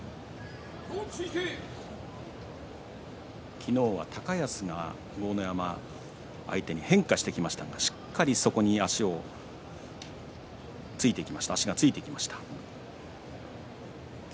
昨日は高安が豪ノ山相手に変化していきましたがしっかりそこに足がついていきました。